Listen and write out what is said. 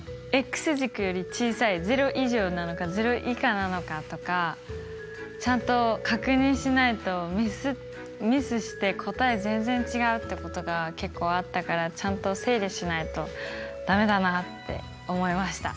軸より小さい０以上なのか０以下なのかとかちゃんと確認しないとミスして答え全然違うってことが結構あったからちゃんと整理しないと駄目だなって思いました。